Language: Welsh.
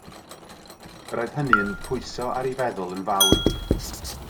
Yr oedd hynny yn pwyso ar ei feddwl yn fawr.